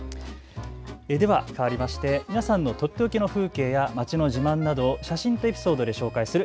ではかわりまして皆さんのとっておきの風景や街の自慢などを写真とエピソードで紹介する＃